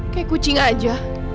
kayak kucing aja